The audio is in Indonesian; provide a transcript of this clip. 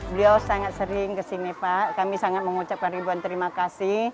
beliau sangat sering kesini pak kami sangat mengucapkan ribuan terima kasih